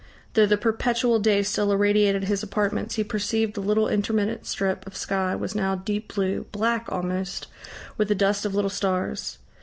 Though the perpetual day still irradiated his apartments, he perceived the little intermittent strip of sky was now deep blue black almost, with a dust of little stars....